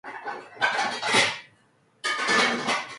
춘우는 전화할 사람이 없는데 이상하다는 듯이.